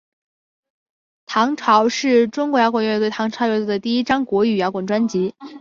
唐朝是中国摇滚乐队唐朝乐队的第一张国语摇滚专辑。